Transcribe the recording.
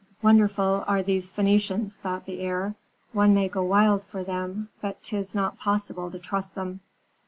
"Wonderful are these Phœnicians," thought the heir; "one may go wild for them, but 'tis not possible to trust them."